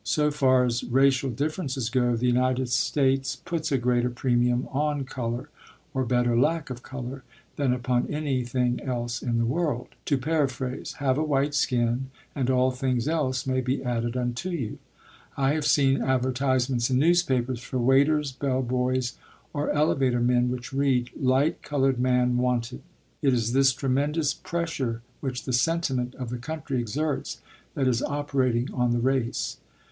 So far as racial differences go, the United States puts a greater premium on color, or, better, lack of color, than upon anything else in the world. To paraphrase, "Have a white skin, and all things else may be added unto you." I have seen advertisements in newspapers for waiters, bell boys, or elevator men, which read: "Light colored man wanted." It is this tremendous pressure which the sentiment of the country exerts that is operating on the race.